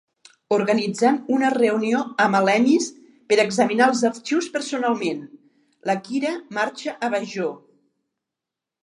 Organitzant una reunió amb Alenis per examinar els arxius personalment, la Kira marxa a Bajor.